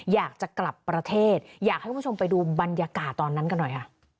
อยากจะกลับประเทศอยากให้คุณผู้ชมไปดูบรรยากาศตอนนั้นกันหน่อยค่ะ